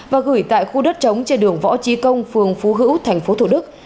và gửi tại khu đất trống trên đường võ trí công phường phú hữu thành phố thủ đức